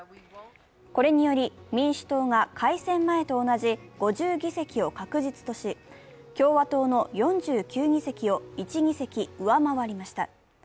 これにより民主党が改選前と同じ５０議席を確実とし、共和党の４９議席を１議席上回りました。